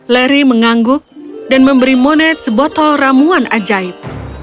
larry mengangguk dan memberi moned sebotol ramuan ajaib